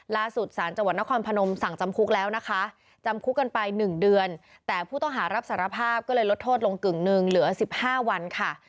สารจังหวัดนครพนมสั่งจำคุกแล้วนะคะจำคุกกันไป๑เดือนแต่ผู้ต้องหารับสารภาพก็เลยลดโทษลงกึ่งหนึ่งเหลือ๑๕วันค่ะ